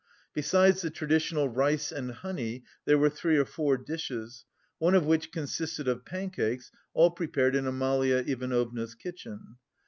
Besides the traditional rice and honey, there were three or four dishes, one of which consisted of pancakes, all prepared in Amalia Ivanovna's kitchen.